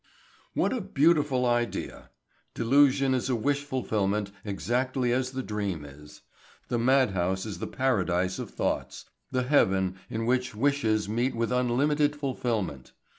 What a beautiful idea! Delusion is a wish fulfilment exactly as the dream is. The madhouse is the paradise of thoughts, the heaven in which wishes meet with unlimited fulfilment.